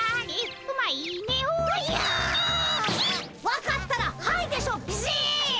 分かったら「はい」でしょビシッ！